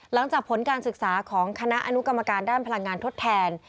หลังจากผลการศึกษาของคณะอนุกรรมการด้านพลังงานทดแทน